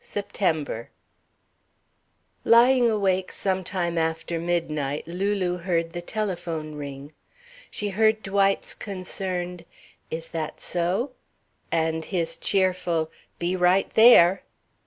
Lying awake sometime after midnight, Lulu heard the telephone ring. She heard Dwight's concerned "Is that so?" And his cheerful "Be right there."